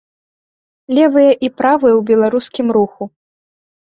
Левыя і правыя ў беларускім руху.